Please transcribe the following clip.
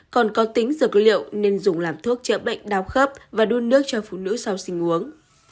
còn có tính dược liệu nên dùng làm thuốc chữa bệnh đau khớp và đun nước cho phụ nữ sau sinh uống